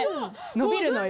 伸びるのよ。